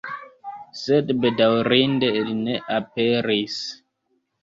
Sed bedaŭrinde li ne aperis.